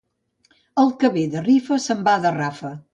El que ve de rifa se'n va de rafa.